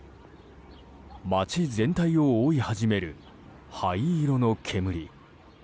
街全体を覆い始める灰色の煙。